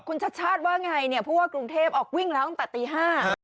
คุณชัดชาติว่าไงเนี่ยผู้ว่ากรุงเทพออกวิ่งแล้วตั้งแต่ตีห้า